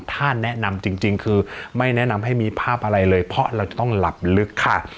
ถ้าแนะนำจริงคือไม่แนะนำให้มีภาพอะไรเลยเพราะเราจะต้องหลับลึกค่ะ